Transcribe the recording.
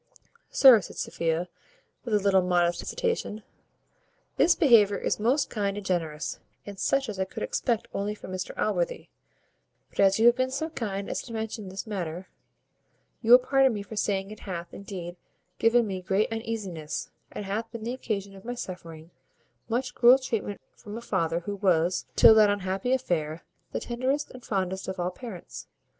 "Sir," said Sophia, with a little modest hesitation, "this behaviour is most kind and generous, and such as I could expect only from Mr Allworthy; but as you have been so kind to mention this matter, you will pardon me for saying it hath, indeed, given me great uneasiness, and hath been the occasion of my suffering much cruel treatment from a father who was, till that unhappy affair, the tenderest and fondest of all parents.